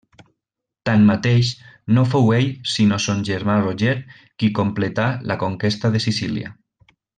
Tanmateix, no fou ell sinó son germà Roger qui completà la conquesta de Sicília.